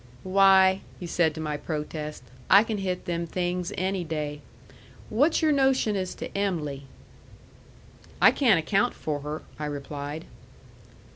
"Why," he said to my protest, "I can hit them things any day. What's your notion as to Em'ly?" "I can't account for her," I replied.